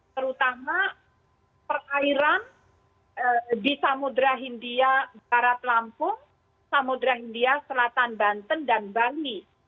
terutama perairan di samudera hindia barat lampung samudera india selatan banten dan bali